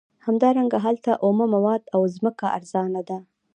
همدارنګه هلته اومه مواد او ځمکه ارزانه ده